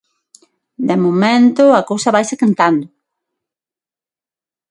De momento, a cousa vaise quentando.